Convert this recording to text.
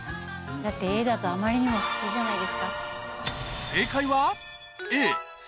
Ａだとあまりにも普通じゃないですか。